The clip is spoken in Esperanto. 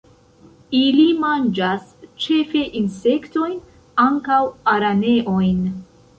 Ili manĝas ĉefe insektojn, ankaŭ araneojn.